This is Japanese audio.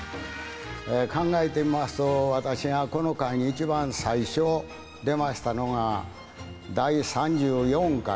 考えてみますと私がこの回に一番最初出ましたのが第３４回ですわ。